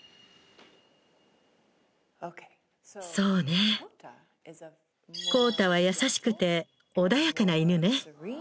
そうねコウタは優しくて穏やかな犬ね。